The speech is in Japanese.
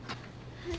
はい。